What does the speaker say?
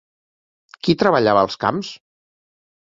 Qui treballava els camps?